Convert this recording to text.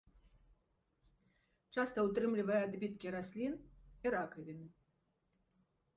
Часта ўтрымлівае адбіткі раслін і ракавіны.